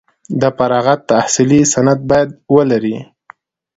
د فراغت تحصیلي سند باید ولري.